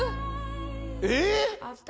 えっ⁉